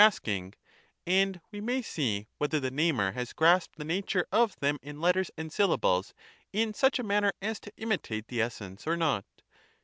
sking ; and we may see whether the namer has grasped the nature of them in letters and syllables in such a manner as to imitate the essence or not.